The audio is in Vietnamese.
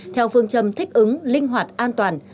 theo phương châm thích ứng linh hoạt an toàn